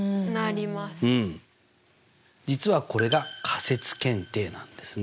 実はこれが仮説検定なんですね。